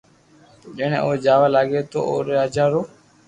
جني او جاوا لاگي تو اوري راجا رو